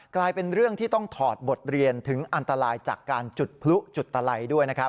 กลายเป็นเรื่องที่ต้องถอดบทเรียนถึงอันตรายจากการจุดพลุจุดตะไหลด้วยนะครับ